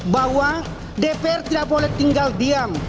bahwa dpr tidak boleh tinggal diam